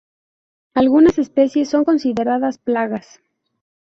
Algunas especies son consideradas plagas.